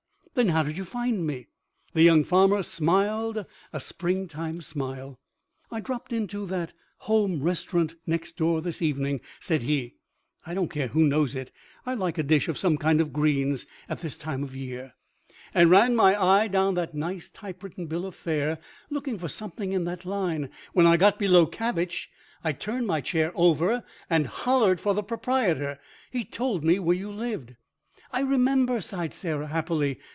"Then how did you find me?" The young farmer smiled a springtime smile. "I dropped into that Home Restaurant next door this evening," said he. "I don't care who knows it; I like a dish of some kind of greens at this time of the year. I ran my eye down that nice typewritten bill of fare looking for something in that line. When I got below cabbage I turned my chair over and hollered for the proprietor. He told me where you lived." "I remember," sighed Sarah, happily.